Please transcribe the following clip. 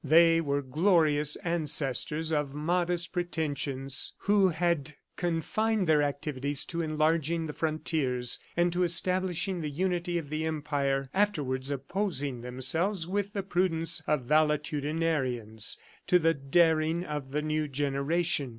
They were glorious ancestors of modest pretensions who had confined their activities to enlarging the frontiers, and to establishing the unity of the Empire, afterwards opposing themselves with the prudence of valetudinarians to the daring of the new generation.